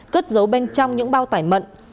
cất giấu bên trong những bao tải mận